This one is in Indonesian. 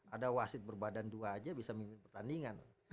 ada wasit berbadan dua aja bisa memimpin pertandingan